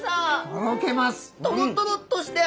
とろけます！